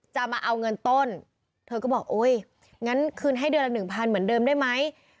มาเอาเงินต้นเธอก็บอกโอ๊ยงั้นคืนให้เดือนละหนึ่งพันเหมือนเดิมได้ไหม